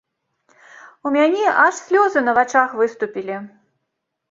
У мяне аж слёзы на вачах выступілі.